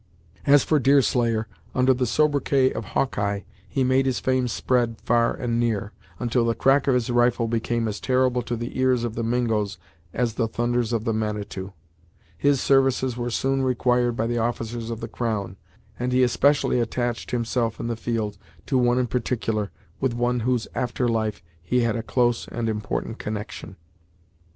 As for the Deerslayer, under the sobriquet of Hawkeye, he made his fame spread far and near, until the crack of his rifle became as terrible to the ears of the Mingos as the thunders of the Manitou. His services were soon required by the officers of the crown, and he especially attached himself in the field to one in particular, with whose after life he had a close and important connection.